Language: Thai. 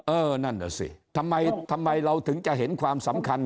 เออนั่นแหละสิทำไมเราถึงจะเห็นความสำคัญ